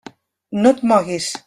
No et moguis!